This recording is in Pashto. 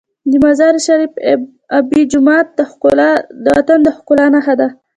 د مزار شریف آبي جومات د وطن د ښکلا نښه ده.